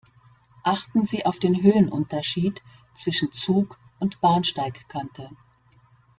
Achten Sie auf den Höhenunterschied zwischen Zug und Bahnsteigkante.